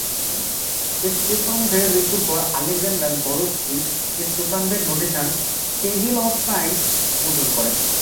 স্টেফানভের মৃত্যুর পর Alexander Gorsky স্টেফানভের নোটেশনে "টেবিল অব সাইনস" মুদ্রণ করেন।